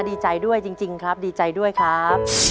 ดีใจด้วยจริงครับดีใจด้วยครับ